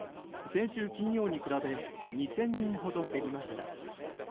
先週金曜に比べ２０００人ほど減りました。